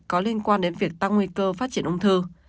có liên quan đến việc tăng nguy cơ phát triển ung thư